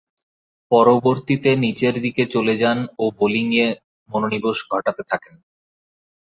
পরবর্তীতে নিচেরদিকে চলে যান ও বোলিংয়ে মনোনিবেশ ঘটাতে থাকেন।